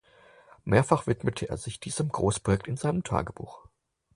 Mehrfach widmete er sich diesem Großprojekt in seinem Tagebuch.